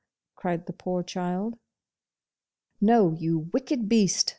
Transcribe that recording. cried the poor child. 'No, you wicked beast!